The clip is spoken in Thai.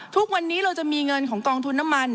ทุกวันนี้เราจะมีเงินของกองทุนน้ำมัน